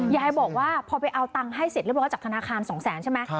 ยายบอกว่าพอไปเอาตังค์ให้เสร็จเรียบร้อยจากธนาคาร๒แสนใช่ไหม